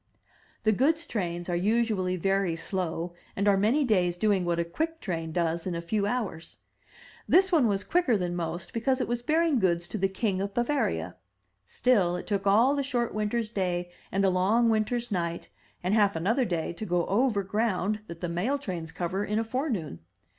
The goods trains are usually very slow, and are many days doing what a quick train does in a few hours. This one was quicker than most, because it was bearing goods to the King of Bavaria; still, it took all the short winter's day and the long winter's night and half another day to go over ground that the mail trains cover in a forenoon.